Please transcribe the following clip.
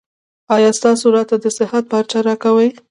ایا تاسو راته د صحت پارچه راکوئ؟